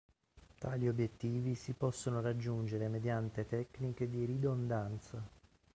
Tali obiettivi si possono raggiungere mediante tecniche di ridondanza.